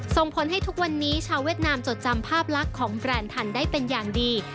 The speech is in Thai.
ส่งผลให้ทุกวันนี้ชาวเวียดนามจดจำภาพลักษณ์ของแบรนด์ทันได้เป็นอย่างดี